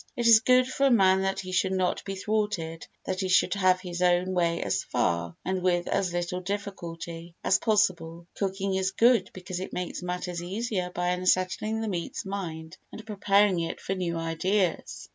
It is good for a man that he should not be thwarted—that he should have his own way as far, and with as little difficulty, as possible. Cooking is good because it makes matters easier by unsettling the meat's mind and preparing it for new ideas.